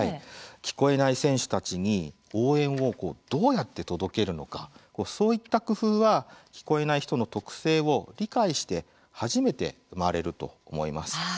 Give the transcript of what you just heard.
聞こえない選手たちに応援をどうやって届けるのかそういった工夫は聞こえない人の特性を理解して初めて生まれると思います。